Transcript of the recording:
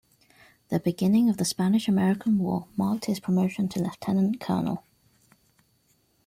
The beginning of the Spanish-American War marked his promotion to lieutenant colonel.